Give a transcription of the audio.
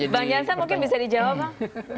bang jansan mungkin bisa dijawab bang